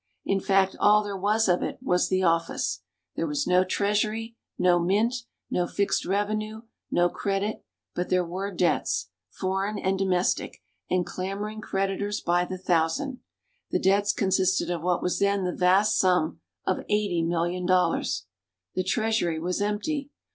In fact, all there was of it was the office there was no treasury, no mint, no fixed revenue, no credit; but there were debts foreign and domestic and clamoring creditors by the thousand. The debts consisted of what was then the vast sum of eighty million dollars. The treasury was empty.